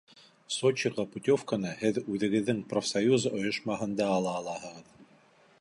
Сочиға путевканы һеҙ үҙегеҙҙең профсоюз ойошмаһында ала алаһығыҙ.